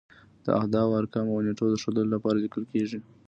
د اعدادو، ارقامو او نېټو د ښودلو لپاره لیکل کیږي.